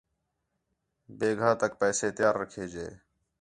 بِیگھا تک پیسے تیار رکھے جے